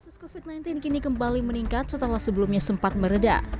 kasus covid sembilan belas kini kembali meningkat setelah sebelumnya sempat meredah